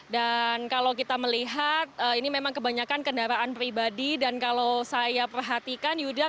dan kalau kita melihat ini memang kebanyakan kendaraan pribadi dan kalau saya perhatikan yuda